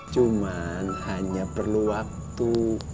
cuman hanya perlu waktu